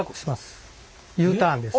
Ｕターンです。